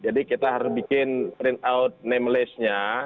jadi kita harus bikin print out namelessnya